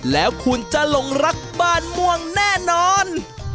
แล้วคุณจะหลงรักบ้านม่วงแน่นอน